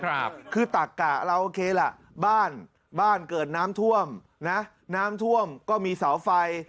คือตักกะเราโอเคล่ะบ้านบ้านเกิดน้ำท่วมนะน้ำท่วมก็มีเสาไฟ